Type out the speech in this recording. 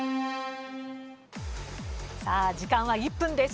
さあ時間は１分です。